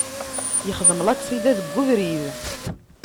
Yexdem laksida deg ubrid.